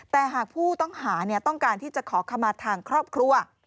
แต่หากผู้ต้องหาต้องการที่จะขอขมาทางครอบครัว